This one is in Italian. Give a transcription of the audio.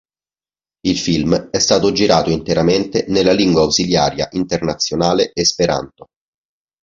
Il film è stato girato interamente nella lingua ausiliaria internazionale esperanto.